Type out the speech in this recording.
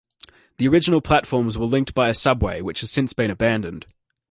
The original platforms were linked by a subway which has since been abandoned.